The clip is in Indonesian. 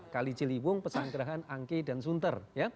kalijiliwung pesangkerahan angkei dan sunter